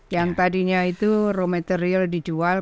yang tadinya itu raw material dijual